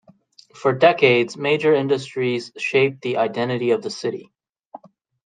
For decades major industries shaped the identity of the city.